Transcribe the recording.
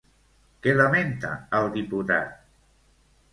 Què lamenta el diputat?